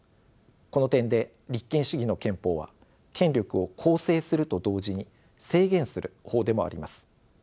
この点で立憲主義の憲法は権力を構成すると同時に制限する法でもあります。